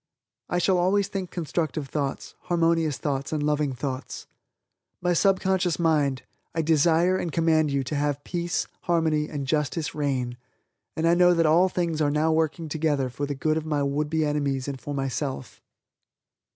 I shall always think constructive thoughts, harmonious thoughts and loving thoughts. "My Subconscious Mind, I desire and command you to have peace, harmony and justice reign, and know that all things are now working together for the good of my would be enemies and for myself."